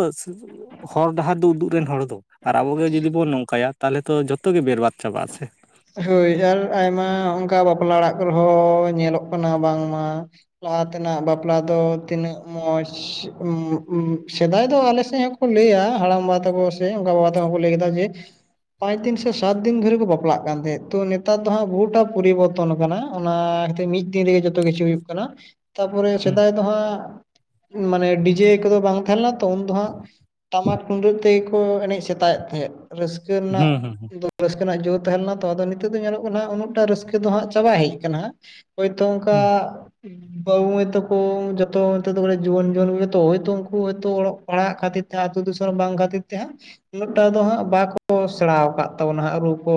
ᱦᱚᱨ ᱰᱟᱦᱟᱨ ᱫᱚ ᱩᱫᱩᱜ ᱨᱮᱱ ᱦᱚᱲ ᱫᱚ ᱟᱨ ᱟᱵᱚᱜᱮ ᱡᱩᱫᱤ ᱵᱚᱱ ᱱᱚᱝᱠᱟᱭᱟ ᱛᱟᱦᱚᱞᱮ ᱛᱚ ᱡᱚᱛᱚ ᱜᱮ ᱵᱮᱨᱵᱟᱫᱽ ᱪᱟᱵᱟᱜ-ᱟ ᱥᱮ᱾ ᱦᱳᱭ ᱟᱨ ᱟᱭᱢᱟ ᱚᱱᱠᱟ ᱵᱟᱯᱞᱟ ᱚᱲᱟᱜ ᱠᱚᱨᱮᱦᱚᱸ ᱧᱮᱞᱚᱜ ᱠᱟᱱᱟ ᱵᱟᱝᱢᱟ᱾ ᱞᱟᱦᱟ ᱛᱮᱱᱟᱜ ᱵᱟᱯᱞᱟ ᱫᱚ ᱛᱤᱱᱟᱹᱜ ᱢᱚᱸᱡᱽ ᱥᱮᱫᱟᱭ ᱫᱚ ᱟᱞᱮ ᱥᱮᱫ ᱦᱚᱸ᱾ ᱠᱚ ᱞᱟᱹᱭᱟ ᱦᱟᱲᱟᱢ ᱵᱟᱵᱟ ᱛᱟᱠᱚ ᱥᱮ ᱜᱚ-ᱵᱟᱵᱟ ᱛᱟᱠᱚ ᱠᱚ ᱞᱟᱹᱭ ᱠᱮᱫᱟ ᱡᱮ ᱾ ᱯᱟᱸᱪ ᱫᱤᱱ ᱥᱮ ᱥᱟᱛ ᱫᱤᱱ ᱫᱷᱚᱨᱮ ᱠᱚ ᱵᱟᱯᱞᱟ ᱾ ᱚᱱᱟ ᱦᱚᱛᱮᱪ ᱛᱮ ᱱᱮᱛᱟᱨ ᱫᱚ ᱦᱟᱸᱜ ᱵᱚᱦᱩᱴᱟ ᱯᱚᱨᱤᱵᱚᱨᱛᱚᱱ ᱠᱟᱱᱟ ᱚᱱᱟ ᱠᱷᱟᱹᱛᱤᱨ ᱢᱤᱫ ᱫᱤᱱ ᱨᱮᱜᱮ ᱡᱚᱛᱚ ᱠᱤᱪᱷᱩ ᱦᱩᱭᱩᱜ ᱠᱟᱱᱟ ᱾ ᱛᱟᱯᱚᱨᱮ ᱦᱩᱸ ᱥᱮᱫᱟᱭ ᱫᱚᱦᱟᱸᱜ ᱢᱟᱱᱮ ᱰᱤᱡᱮ ᱠᱚᱫᱚ ᱵᱟᱝ ᱛᱟᱦᱮᱸ ᱞᱮᱱᱟ ᱛᱚ ᱩᱱ ᱫᱚ ᱦᱟᱸᱜ ᱴᱟᱢᱟᱠ ᱛᱩᱢᱫᱟᱹᱜ ᱛᱮᱜᱮ ᱠᱚ ᱮᱱᱮᱡ ᱥᱮᱛᱟᱭᱮᱫ ᱛᱟᱦᱮᱸᱫ ᱨᱟᱹᱥᱠᱟᱹ ᱨᱮᱱᱟᱜ ᱦᱩᱸ ᱦᱩᱸ ᱦᱩᱸ ᱨᱟᱹᱥᱠᱟᱹ ᱨᱮᱱᱟᱜ ᱡᱟᱹᱛ ᱛᱟᱦᱮᱸ ᱞᱮᱱᱟ ᱛᱚ ᱟᱫᱚ ᱱᱤᱛᱚᱜ ᱫᱚ ᱧᱮᱞᱚᱜ ᱠᱟᱱᱟᱜ ᱩᱱᱟᱹᱜᱴᱟ ᱨᱟᱹᱥᱠᱟᱹ ᱫᱚ ᱦᱟᱸᱜ ᱪᱟᱵᱟ ᱦᱮᱡ ᱠᱟᱱᱟ ᱾ ᱦᱳᱭᱛᱳ ᱚᱱᱠᱟ ᱵᱟᱹᱵᱩ ᱢᱟᱹᱭ ᱛᱟᱠᱚ ᱡᱚᱛᱚ ᱱᱤᱛ ᱫᱚ ᱡᱩᱣᱟᱹᱱ ᱡᱩᱣᱟᱹᱱ ᱠᱚᱜᱮ ᱛᱚ ᱦᱚᱭᱛᱚ ᱩᱱᱠᱩ ᱦᱚᱭᱛᱚ ᱚᱞᱚᱜ ᱯᱟᱲᱦᱟᱜ ᱠᱷᱟᱹᱛᱤᱨ ᱟᱛᱳ ᱫᱤᱥᱚᱢ ᱵᱟᱝ ᱠᱷᱟᱹᱛᱤᱨ ᱛᱮᱦᱟᱸᱜ ᱩᱱᱟᱹᱜᱴᱟ ᱫᱚ ᱦᱟᱸᱜ ᱵᱟᱠᱚ ᱥᱮᱬᱟᱣ ᱟᱠᱟᱫ ᱛᱟᱵᱚᱱᱟ ᱦᱟᱸᱜ ᱨᱩᱯ ᱠᱚ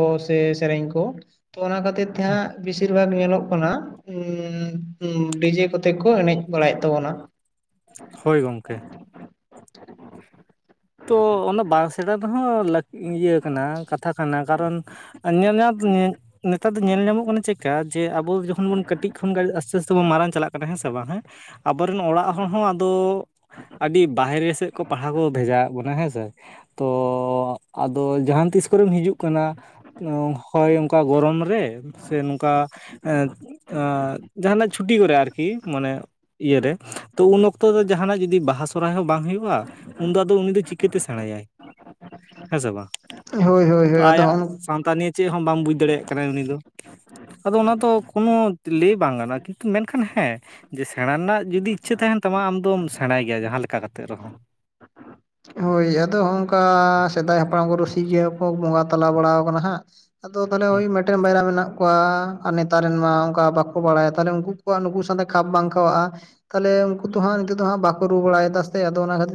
ᱥᱮᱨᱮᱧ ᱠᱚ ᱛᱚ ᱚᱱᱟ ᱠᱷᱟᱹᱛᱤᱨ ᱛᱮ ᱦᱟᱸᱜ ᱵᱤᱥ ᱵᱤᱥᱤᱨ ᱵᱷᱟᱜ [inaudible] ᱧᱮᱞᱚᱜ ᱠᱟᱱᱟ ᱰᱤᱡᱮ ᱠᱚᱛᱮ ᱠᱚ ᱮᱱᱮᱡ ᱵᱟᱲᱟᱭᱮᱫ ᱛᱟᱵᱚᱱᱟ ᱾ ᱦᱳᱭ ᱜᱚᱢᱠᱮ ᱾ ᱛᱚ ᱚᱱᱟ ᱵᱟᱝ ᱥᱮᱬᱟ ᱫᱚ ᱦᱟᱸᱜ [inaudible] [inaudible] ᱤᱭᱟᱹ ᱠᱟᱱᱟ ᱠᱟᱛᱷᱟ ᱠᱟᱱᱟ ᱠᱟᱨᱚᱱ ᱟᱨ ᱧᱮᱞ ᱧᱟᱛ ᱧᱮ, ᱱᱮᱛᱟᱨ ᱫᱚ ᱧᱮᱞ ᱧᱟᱢᱚᱜ ᱠᱟᱱᱟ ᱪᱮᱫᱠᱟ ᱡᱮ ᱟᱵᱚ ᱡᱚᱠᱷᱚᱱ ᱵᱚᱱ ᱠᱟᱹᱴᱤᱡ ᱠᱷᱚᱱ ᱜᱮ ᱟᱥᱛᱮ ᱟᱥᱛᱮ ᱵᱚᱱ ᱢᱟᱨᱟᱝ ᱪᱟᱞᱟᱜ ᱠᱟᱱᱟ ᱦᱮᱸ ᱥᱮ ᱵᱟᱝ ᱦᱮᱸ ᱟᱵᱚᱨᱮᱱ ᱚᱲᱟᱜ ᱦᱚᱲ ᱦᱚᱸ ᱟᱫᱚ ᱟᱹᱰᱤ ᱵᱟᱦᱨᱮ ᱥᱮᱫ ᱠᱚ ᱯᱟᱲᱦᱟᱣ ᱠᱚ ᱵᱷᱮᱡᱟ ᱾ ᱵᱚᱱᱟ ᱦᱮᱸᱥᱮ ᱛᱚ ᱟᱫᱚ ᱡᱟᱦᱟᱸ ᱛᱤᱥ ᱠᱚᱨᱮᱢ ᱦᱤᱡᱩᱜ ᱠᱟᱱᱟ ᱾ ᱦᱚᱳᱭ ᱚᱱᱠᱟ ᱜᱚᱨᱚᱢ ᱨᱮ ᱥᱮ ᱱᱚᱝᱠᱟ ᱡᱟᱦᱟᱱᱟᱜ ᱪᱷᱩᱴᱤ ᱠᱚᱨᱮ ᱟᱨᱠᱤ ᱢᱟᱱᱮ ᱾ ᱤᱭᱟᱹᱨᱮ ᱛᱚ ᱩᱱ ᱚᱠᱛᱚ ᱫᱚ ᱡᱟᱦᱟᱱᱟᱜ ᱡᱩᱫᱤ ᱵᱟᱦᱟ ᱥᱚᱨᱦᱟᱭ ᱦᱚᱸ ᱵᱟᱝ ᱦᱩᱭᱩᱜᱼᱟ ᱩᱱᱫᱚ ᱟᱫᱚ ᱩᱱᱤ ᱫᱚ ᱪᱤᱠᱟᱹᱛᱮ ᱥᱮᱬᱟᱭᱟᱭ ᱦᱮᱸ ᱥᱮ ᱵᱟᱝ ᱦᱳᱭ ᱦᱳᱭ ᱛᱚ ᱦᱳᱭ ᱟᱫᱚ ᱟᱭᱟᱜ ᱦᱚᱸᱜ ᱥᱟᱶᱛᱟ ᱱᱤᱭᱟᱹ ᱪᱮᱫ ᱦᱚᱸ ᱵᱟᱢ ᱵᱩᱡᱽ ᱫᱟᱲᱮᱭᱟᱜ ᱠᱟᱱᱟ ᱩᱱᱤ ᱫᱚ ᱟᱫᱚ ᱚᱱᱟ ᱫᱚ ᱠᱳᱱᱳ ᱞᱟᱹᱭ ᱵᱟᱝ ᱜᱟᱱᱚᱜᱼᱟ ᱠᱤᱱᱛᱩ ᱢᱮᱱᱠᱷᱟᱱ ᱦᱮᱸ ᱾ ᱡᱮ ᱥᱮᱬᱟ ᱨᱮᱱᱟᱜ ᱡᱩᱫᱤ ᱤᱪᱪᱷᱟᱹ ᱛᱟᱦᱮᱱ ᱛᱟᱢᱟ ᱟᱢ ᱫᱚᱢ ᱥᱮᱬᱟᱭ ᱜᱮᱭᱟ ᱡᱟᱦᱟᱸ ᱞᱮᱠᱟ ᱠᱟᱛᱮᱫ ᱨᱮᱦᱚᱸ ᱦᱳᱭ ᱟᱫᱚ ᱚᱝᱠᱟ ᱥᱮᱫᱟᱭ ᱦᱟᱯᱲᱟᱢ ᱠᱚ ᱨᱩᱥᱤᱠᱤᱭᱟᱹ ᱠᱚ ᱵᱚᱸᱜᱟ ᱛᱟᱞᱟ ᱵᱟᱲᱟ ᱠᱟᱱᱟ ᱦᱟᱸᱜ ᱾ ᱟᱫᱚ ᱛᱟᱦᱚᱞᱮ ᱳᱭ ᱢᱤᱫᱴᱮᱱ ᱵᱟᱭᱨᱟ ᱢᱮᱱᱟᱜ ᱠᱚᱣᱟ ᱟᱨ ᱱᱮᱛᱟᱨ ᱨᱮᱱ ᱢᱟ ᱚᱱᱠᱟ ᱵᱟᱠᱚ ᱵᱟᱲᱟᱭᱟ ᱛᱟᱦᱞᱮ ᱩᱱᱠᱩ ᱠᱚᱣᱟᱜ ᱱᱩᱠᱩ ᱥᱟᱶᱛᱮ ᱠᱷᱟᱯ ᱵᱟᱝ ᱠᱷᱟᱜᱼᱟ ᱾ ᱛᱟᱦᱚᱞᱮ ᱩᱱᱠᱩ ᱛᱚ ᱦᱟᱜᱸ ᱱᱤᱛᱚᱜ ᱫᱚ ᱦᱟᱸᱜ ᱵᱟᱠᱚ ᱨᱩ ᱵᱟᱲᱟᱭ ᱮᱫᱟ ᱥᱮ ᱟᱫᱚ ᱚᱱᱟ ᱠᱷᱟᱹᱛᱤᱨ ᱾